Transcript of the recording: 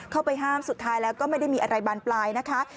เข้าไปห้ามสุดท้ายแล้วก็ไม่ได้มีอะไรบานปลายนะคะ